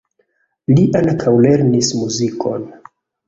Li ankaŭ lernis muzikon.